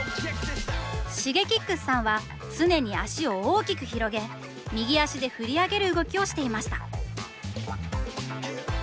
Ｓｈｉｇｅｋｉｘさんは常に足を大きく広げ右足で振り上げる動きをしていました。